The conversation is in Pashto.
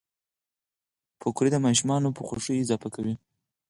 پکورې د ماشومانو په خوښیو اضافه کوي